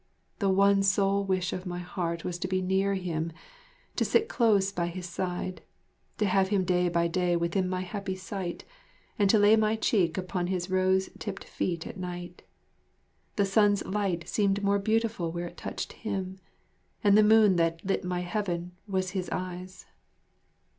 The one sole wish of my heart was to be near him, to sit close by his side, to have him day by day within my happy sight, and to lay my cheek upon his rose tipped feet at night. The sun's light seemed more beautiful where it touched him, and the moon that lit my Heaven was his eyes.